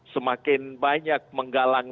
semakin banyak menggalang